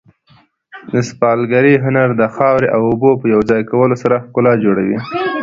د سفالګرۍ هنر د خاورې او اوبو په یو ځای کولو سره ښکلا جوړوي.